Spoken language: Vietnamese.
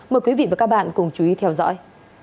mời quý vị và các bạn cùng chú ý theo dõi